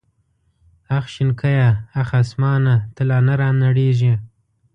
اخ شنکيه اخ اسمانه ته لا نه رانړېږې.